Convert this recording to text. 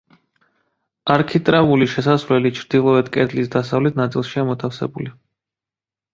არქიტრავული შესასვლელი ჩრდილოეთ კედლის დასავლეთ ნაწილშია მოთავსებული.